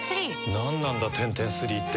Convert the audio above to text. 何なんだテンテンスリーって